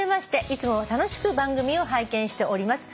「いつも楽しく番組を拝見しております」